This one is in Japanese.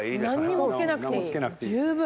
何にもつけなくていい十分。